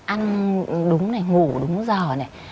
ăn đúng này ngủ đúng giờ này